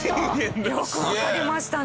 よくわかりましたね。